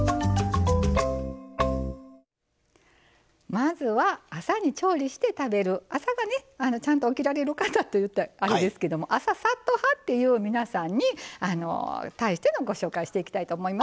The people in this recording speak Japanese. まずは朝に調理して食べる朝がねちゃんと起きられる方といったらあれですけども「朝サッと派」っていう皆さんに対してのご紹介していきたいと思います。